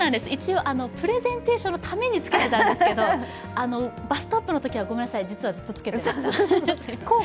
プレゼンテーションのためにつけていたんですけど、バストアップのときはごめんなさい、実はずっとつけていました。